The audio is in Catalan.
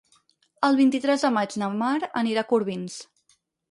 El vint-i-tres de maig na Mar anirà a Corbins.